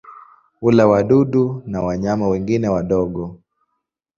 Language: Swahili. Hula wadudu na wanyama wengine wadogo.